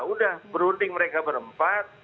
udah berhuting mereka berempat